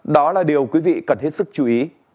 đó là điều quý vị cần hết sức chú ý